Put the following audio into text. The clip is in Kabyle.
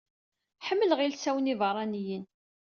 Ḥemmleɣ ilsawen ibeṛṛaniyen.